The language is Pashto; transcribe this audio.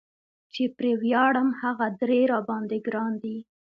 چې پرې وياړم هغه درې را باندي ګران دي